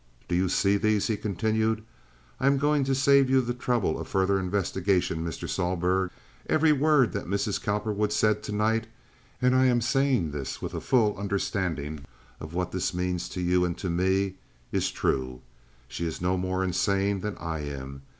"Do you see these?" he continued. "I am going to save you the trouble of further investigation, Mr. Sohlberg. Every word that Mrs. Cowperwood said to night—and I am saying this with a full understanding of what this means to you and to me—is true. She is no more insane than I am.